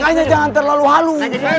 makanya jangan terlalu halu